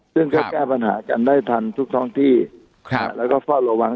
ซึ่งก็แก้ปัญหากันได้ทันทุกท้องที่แล้วก็เฝ้าระวัง